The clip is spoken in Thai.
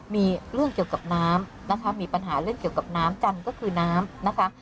มีเรื่องเกี่ยวกับน้ำนะคะมีปัญหาเรื่องเกี่ยวกับน้ำจันทร์ก็คือน้ำนะคะ